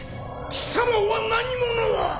貴様は何者！？